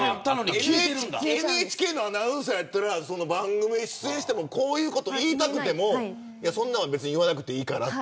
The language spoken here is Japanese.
ＮＨＫのアナウンサーやったら番組に出演してもこういうこと言いたくてもそんなの言わなくていいから。